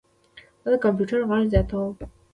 زه د کمپیوټر غږ زیاتوم.